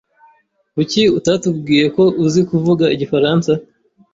Kuki utatubwiye ko uzi kuvuga igifaransa?